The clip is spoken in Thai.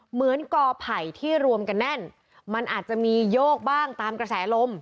เหมือนกอไผ่ที่รวมกันแน่นมันอาจจะมีโยกบ้างตามกระแสลม